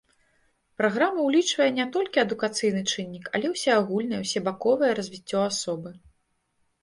Праграма ўлічвае не толькі адукацыйны чыннік, але ўсеагульнае, усебаковае развіццё асобы.